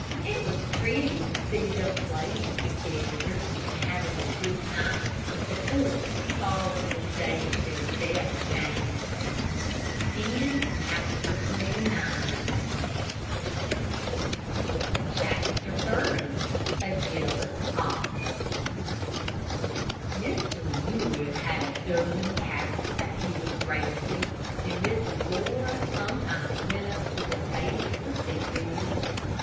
It was pretty to see them playing together and having a good time before the sorrowful day of their death came. CHAPTER XXX A JEALOUS OX Mr. Wood had a dozen calves that he was raising, and Miss Laura sometimes went up to the stable to see them.